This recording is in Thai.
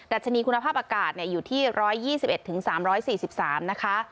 ัชนีคุณภาพอากาศอยู่ที่๑๒๑๓๔๓นะคะ